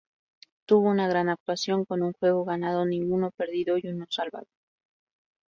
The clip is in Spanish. Tuvo una gran actuación con un juego ganado, ninguno perdido y uno salvado.